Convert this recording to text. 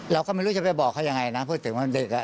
เราก็ไม่รู้จะไปบอกเขายังไงนะพูดถึงวันดึก